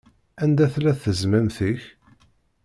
Anda tella tezmamt-ik?